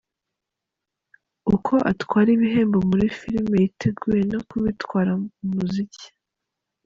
Uko atwara ibihembo muri filime yiteguye no kubitwara mu muziki.